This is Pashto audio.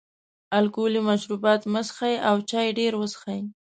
الکولي مشروبات مه څښئ او چای ډېر وڅښئ.